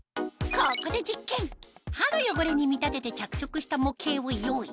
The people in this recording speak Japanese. ここで実験歯の汚れに見立てて着色した模型を用意